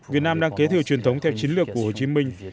việt nam đang kế thừa truyền thống theo chiến lược của hồ chí minh